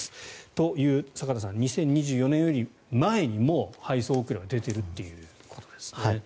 ということで坂田さん２０２４年より前にもう配送遅れが出ているということですね。